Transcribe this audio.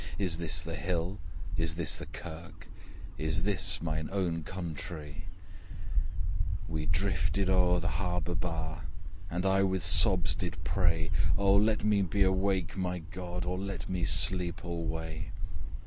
Is this the hill? is this the kirk? Is this mine own countree? We drifted o'er the harbour bar, And I with sobs did pray O let me be awake, my God! Or let me sleep alway.